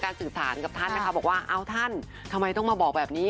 สื่อสารกับท่านนะคะบอกว่าเอ้าท่านทำไมต้องมาบอกแบบนี้